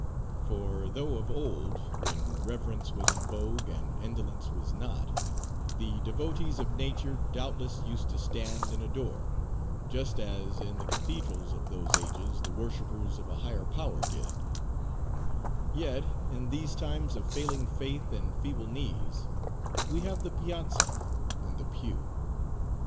For though, of old, when reverence was in vogue, and indolence was not, the devotees of Nature, doubtless, used to stand and adore—just as, in the cathedrals of those ages, the worshipers of a higher Power did—yet, in these times of failing faith and feeble knees, we have the piazza and the pew.